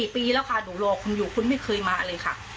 ปีแล้วค่ะหนูรอคุณอยู่คุณไม่เคยมาเลยค่ะ